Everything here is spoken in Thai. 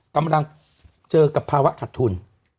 กำลังเจอกับภาวะขัดทุน